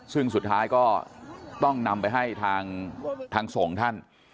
ซึ่งสุดท้ายก็ต้องนำไปให้ทางสงฆ์ท่าน